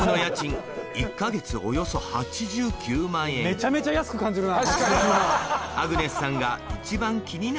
めちゃめちゃ安く感じるな！